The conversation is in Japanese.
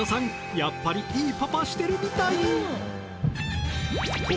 やっぱりいいパパしてるみたい。